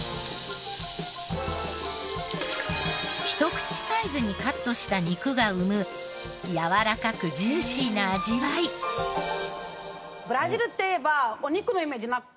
ひと口サイズにカットした肉が生むやわらかくジューシーな味わい。ありますよね。